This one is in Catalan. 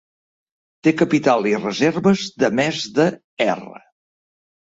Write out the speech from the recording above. Té capital i reserves de més de R.